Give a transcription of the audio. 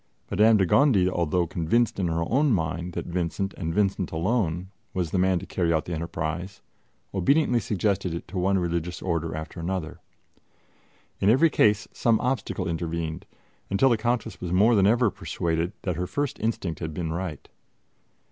Madame de Gondi, although convinced in her own mind that Vincent, and Vincent alone, was the man to carry out the enterprise, obediently suggested it to one religious Order after another. In every case some obstacle intervened, until the Countess was more than ever persuaded that her first instinct had been right.